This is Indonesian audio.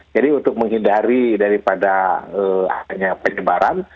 jadi untuk menghindari daripada penyebaran